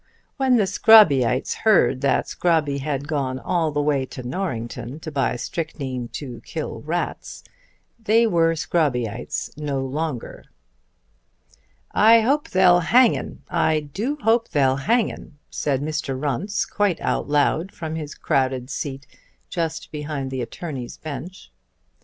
When the Scrobbyites heard that Scrobby had gone all the way to Norrington to buy strychnine to kill rats they were Scrobbyites no longer. "I hope they'll hang 'un. I do hope they'll hang 'un," said Mr. Runce quite out loud from his crowded seat just behind the attorney's bench.